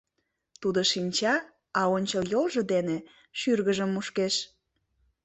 — Тудо шинча, а ончыл йолжо дене шӱргыжым мушкеш.